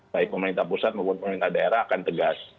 baik pemerintah pusat maupun pemerintah daerah akan tegas